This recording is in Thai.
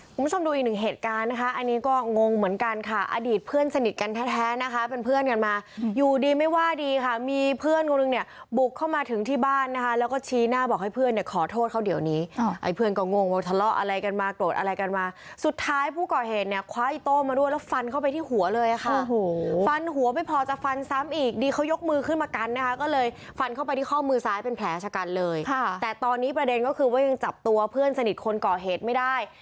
คุณผู้ชมดูอีกหนึ่งเหตุการณ์นะคะอันนี้ก็งงเหมือนกันค่ะอดีตเพื่อนสนิทกันแท้นะคะเป็นเพื่อนกันมาอยู่ดีไม่ว่าดีค่ะมีเพื่อนคนหนึ่งเนี่ยบุกเข้ามาถึงที่บ้านนะคะแล้วก็ชี้หน้าบอกให้เพื่อนเนี่ยขอโทษเขาเดี๋ยวนี้ไอ้เพื่อนก็งงบอกทะเลาะอะไรกันมาโกรธอะไรกันมาสุดท้ายผู้ก่อเหตุเนี่ยคว้ายโต้มาด้วยแล้วฟันเข้าไป